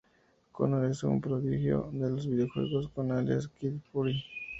Connor es un prodigio de los videojuegos con el alias Kid Fury.